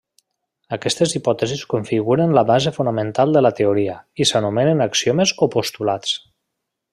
Aquestes hipòtesis configuren la base fonamental de la teoria, i s'anomenen axiomes o postulats.